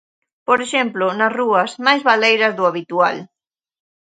Por exemplo, nas rúas, máis baleiras do habitual.